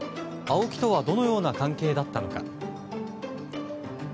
ＡＯＫＩとはどのような関係だったのか。